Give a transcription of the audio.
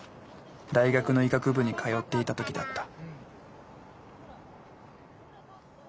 大学の医学部に通っていた時だった。